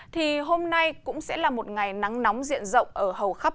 thì hôm nay cũng sẽ là một ngày nắng nóng diện rộng ở hầu khắp